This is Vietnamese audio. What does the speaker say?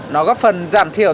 nó góp phần giảm thiểu